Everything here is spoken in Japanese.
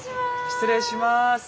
失礼します。